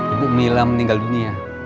ibu mila meninggal dunia